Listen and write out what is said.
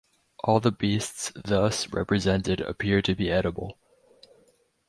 All the beasts thus represented appear to be edible.